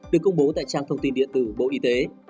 được công bố tại trang thông tin điện tử bộ y tế